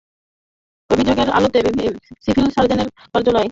অভিযোগের আলোকে সিভিল সার্জনের কার্যালয় থেকে প্রয়োজনীয় কাগজপত্র গ্রহণ করা হয়েছে।